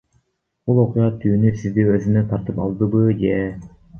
Бул окуя түйүнү сизди өзүнө тартып алдыбы, же?